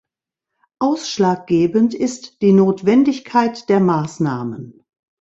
Ausschlaggebend ist die Notwendigkeit der Maßnahmen.